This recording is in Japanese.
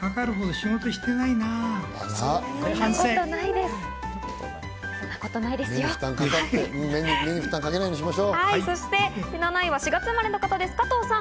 そして７位は４月生まれの方、加藤さん。